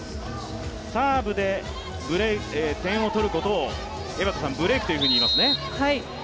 サーブで点を取ることをブレークと言いますね。